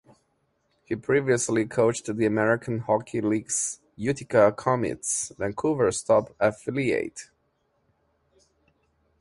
He previously coached the American Hockey League's Utica Comets, Vancouver's top affiliate.